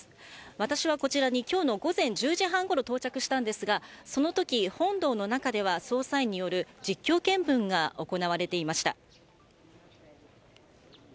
私はこちらにきょうの午前１０時半ごろ到着したんですが、そのとき、本堂の中では捜査員による実況見分が行われていました。